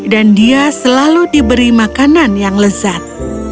dan dia selalu diberi makanan yang lezat